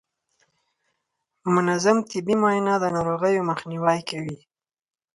منظم طبي معاینه د ناروغیو مخنیوی کوي.